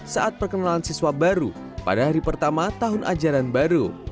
saat perkenalan siswa baru pada hari pertama tahun ajaran baru